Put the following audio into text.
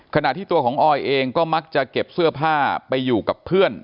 ขณะที่ตัวของออยเองก็มักจะเก็บเสื้อผ้าไปอยู่กับเพื่อน